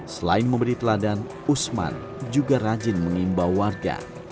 selain memberi teladan usman juga rajin mengimbau warga